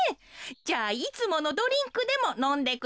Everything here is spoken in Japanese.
じゃあいつものドリンクでものんでください。